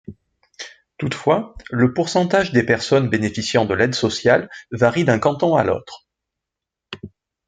Toutefois, le pourcentage des personnes bénéficiant de l'aide social varie d'un canton à l'autre.